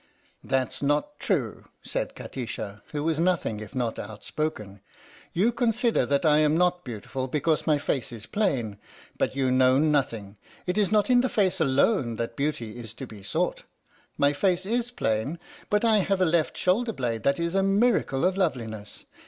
" That 's not true," said Kati sha, who was nothing if not outspoken; "you consider that I am not 101 THE STORY OF THE MIKADO beautiful because my face is plain. But you know nothing. It is not in the face alone that beauty is to be sought. My face is plain, but I have a left shoulder blade that is a miracle of loveliness.